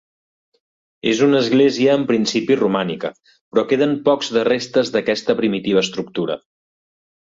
És una església en principi romànica, però queden pocs de restes d'aquesta primitiva estructura.